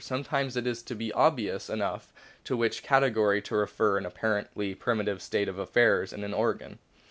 Sometimes it seems to be obvious enough to which category to refer an appar ently primitive state of affairs in an organ.